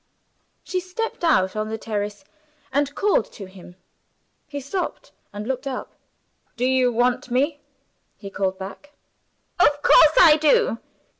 She stepped out on the terrace, and called to him. He stopped, and looked up. "Do you want me?" he called back. "Of course I do!"